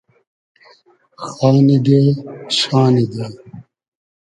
خانی دې شانی دې